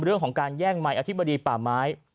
เรื่องของการแย่งไมค์อธิบดีป่าไม้